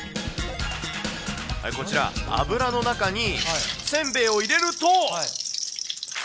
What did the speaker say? こちら、油の中にせんべいを入れると。